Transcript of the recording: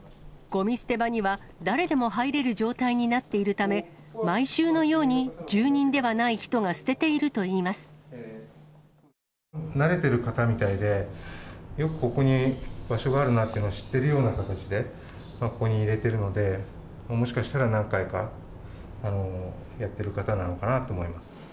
ごみ捨て場には、誰でも入れる状態になっているため、毎週のように住人ではない人が捨ててい慣れてる方みたいで、よくここに場所があるなというのを知ってるような形で、ここに入れてるので、もしかしたら何回かやってる方なのかなと思います。